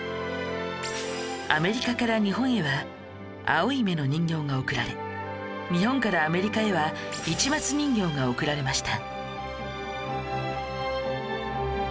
アメリカから日本へは青い目の人形が贈られ日本からアメリカへは市松人形が贈られました